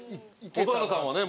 蛍原さんはね